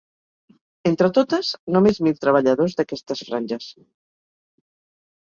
Entre totes, només mil treballadors d’aquestes franges.